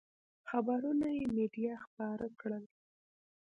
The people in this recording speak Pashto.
خبرونه یې مېډیا خپاره کړل.